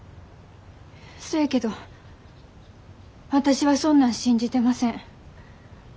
そやけど私はそんなん信じてません。